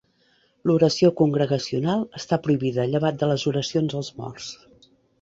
L'oració congregacional està prohibida, llevat de les Oracions als Morts.